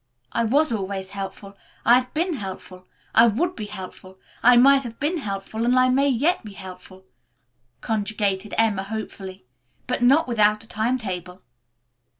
I was always helpful. I have been helpful. I would be helpful. I might have been helpful and I may yet be helpful," conjugated Emma hopefully, "but not without a time table."